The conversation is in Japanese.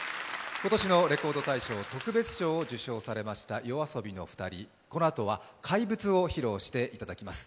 今年のレコード大賞の特別賞を受賞されましたＹＯＡＳＯＢＩの２人、このあとは「怪物」を披露していただきます。